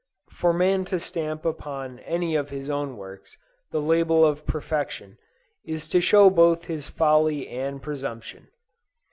For man to stamp upon any of his own works, the label of perfection, is to show both his folly and presumption.